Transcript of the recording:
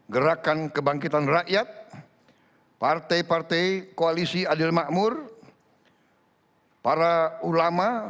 gerakan kebangkitan rakyat partai partai koalisi adil makmur para ulama